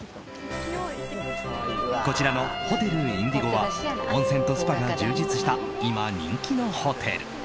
こちらのホテルインディゴは温泉とスパが充実した今、人気のホテル。